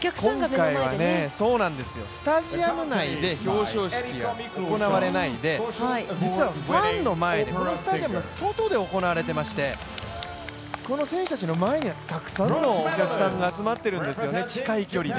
今回はスタジアム内で表彰式が行われないで、実はファンの前、このスタジアムの外で行われていまして、この選手たちの前にはたくさんのお客さんが集まっているんですよね近い距離で。